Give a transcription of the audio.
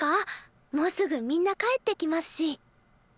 もうすぐみんな帰ってきますし。